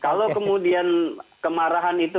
kalau kemudian kemarahan itu